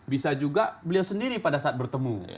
bisa juga beliau sendiri pada saat bertemu